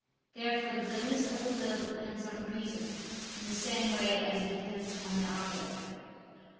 Therefore the goodness of the will depends on reason, in the same way as it depends on the object.